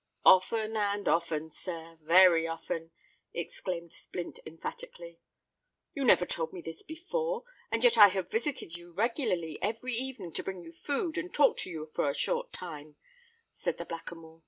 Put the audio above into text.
"Often and often, sir—very often," exclaimed Splint, emphatically. "You never told me this before; and yet I have visited you regularly every evening to bring you food and talk to you for a short time," said the Blackamoor.